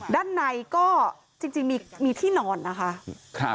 ด้านในก็จริงมีที่นอนนะคะ